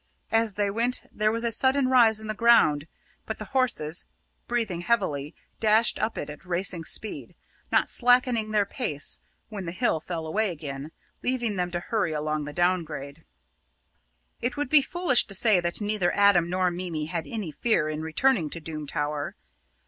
As they went, there was a sudden rise in the ground; but the horses, breathing heavily, dashed up it at racing speed, not slackening their pace when the hill fell away again, leaving them to hurry along the downgrade. It would be foolish to say that neither Adam nor Mimi had any fear in returning to Doom Tower.